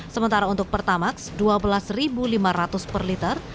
sementara untuk pertamax rp dua belas lima ratus per liter